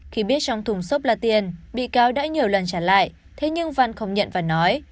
khi biết trong thùng xốp là tiền bị cáo đã nhiều lần trả lại thế nhưng văn không nhận và nói